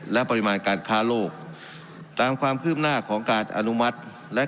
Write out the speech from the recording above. และปริมาณการค้าโลกตามความคืบหน้าของการอนุมัติและ